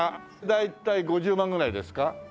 大体５０万ぐらいですか？